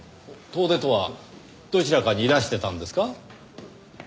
遠出とはどちらかにいらしてたんですか？